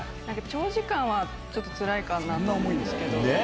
長時間はちょっとつらいかなと思うんですけど。